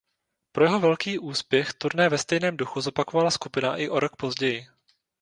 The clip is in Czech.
Pro jeho velký úspěch turné ve stejném duchu zopakovala skupina i o rok později.